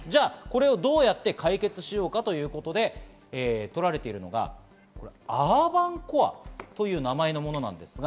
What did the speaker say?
どうやって解決しようかということで取られているのが、アーバン・コアという名前のものです。